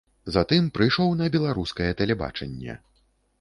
Затым прыйшоў на беларускае тэлебачанне.